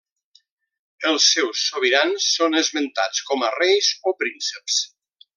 Els seus sobirans són esmentats com a reis o prínceps.